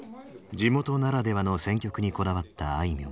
地元ならではの選曲にこだわったあいみょん。